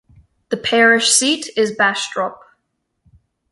The parish seat is Bastrop.